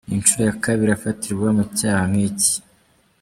Ni inshuro ya kabiri afatirwa mu cyaha nk’iki.